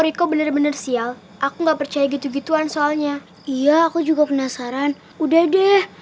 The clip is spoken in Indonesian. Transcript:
riko benar benar sial aku nggak percaya gitu gituan soalnya iya aku juga penasaran udah deh